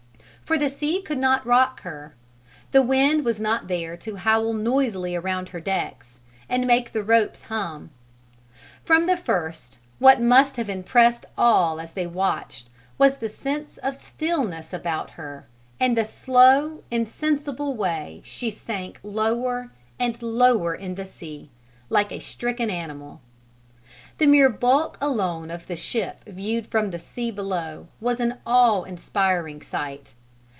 For the sea could not rock her: the wind was not there to howl noisily round the decks, and make the ropes hum; from the first what must have impressed all as they watched was the sense of stillness about her and the slow, insensible way she sank lower and lower in the sea, like a stricken animal. The mere bulk alone of the ship viewed from the sea below was an awe inspiring sight.